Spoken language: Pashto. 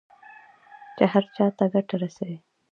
چې هر چا ته ګټه رسوي.